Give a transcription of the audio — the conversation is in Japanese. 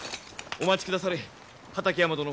お待ちくだされ畠山殿。